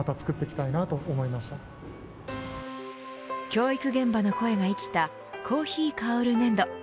教育現場の声が生きたコーヒー香る粘土。